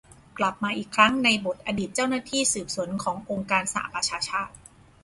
กลับมาอีกครั้งในบทอดีตเจ้าหน้าที่สืบสวนขององค์การสหประชาชาติ